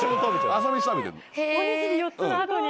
おにぎり４つの後に？